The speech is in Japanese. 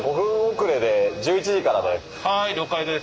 はい了解です。